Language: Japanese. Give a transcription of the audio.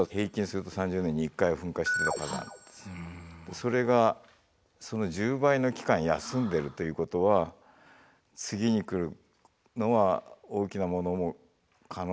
それがその１０倍の期間休んでるということは次に来るのは大きなものも可能性があると思わないといかん。